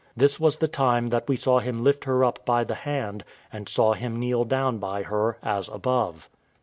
This was the time that we saw him lift her up by the hand, and saw him kneel down by her, as above.